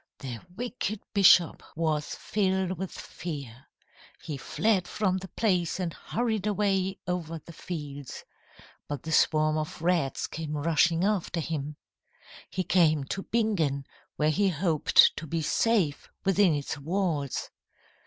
"The wicked bishop was filled with fear. He fled from the place and hurried away over the fields. But the swarm of rats came rushing after him. He came to Bingen, where he hoped to be safe within its walls.